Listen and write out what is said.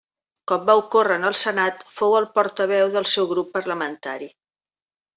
Com va ocórrer en el Senat, fou el portaveu del seu grup parlamentari.